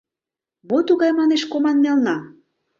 — Мо тугай, манеш, «команмелна»?